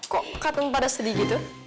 kok kadang pada sedih gitu